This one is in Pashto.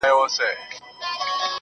سترګي دي هغسي نسه وې، نسه یي ـ یې کړمه,